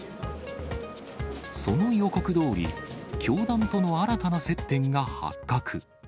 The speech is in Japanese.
その予告どおり、教団との新たな接点が発覚。